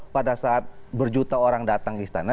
pada saat berjuta orang datang ke istana